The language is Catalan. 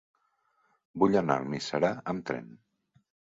Vull anar a Almiserà amb tren.